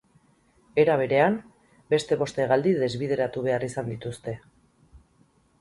Era berean, beste bost hegaldi desbideratu behar izan dituzte.